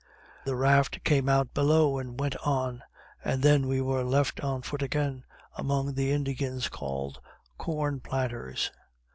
The raft came out below, and went on; and then we were left on foot again, among the Indians called Corn Planters.